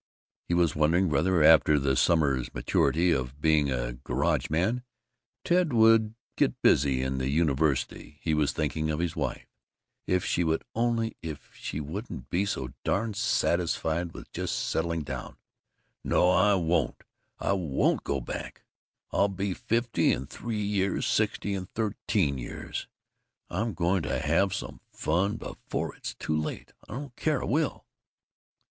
He was wondering whether, after the summer's maturity of being a garageman, Ted would "get busy" in the university. He was thinking of his wife. "If she would only if she wouldn't be so darn satisfied with just settling down No! I won't! I won't go back! I'll be fifty in three years. Sixty in thirteen years. I'm going to have some fun before it's too late. I don't care! I will!"